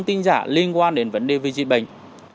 tin giả liên quan đến vấn đề về dịch bệnh